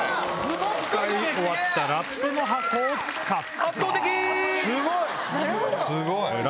使い終わったラップの箱を使った。